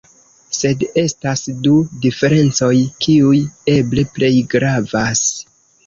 Sed estas du diferencoj kiuj eble plej gravas.